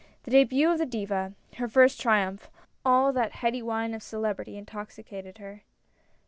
The debut of the Diva, her first triumph — all that heady wine of celebrity intoxi cated her.